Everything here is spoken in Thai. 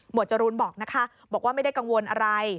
จรูนบอกนะคะบอกว่าไม่ได้กังวลอะไร